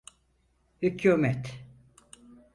Hükümet.